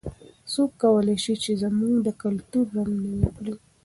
څوک کولای سي چې زموږ د کلتور رنګ نوی کړي؟